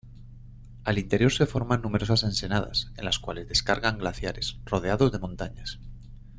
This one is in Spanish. Al interior se forman numerosas ensenadas, en las cuales descargan glaciares, rodeados de montañas.